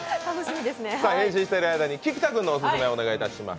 変身している間に菊田君のオススメお願いします。